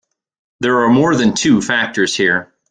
There are more than two factors here.